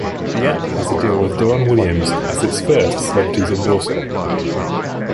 The app has a deal with Deron Williams as its first celebrity endorser.